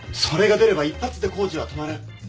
それが出れば一発で工事は止まる。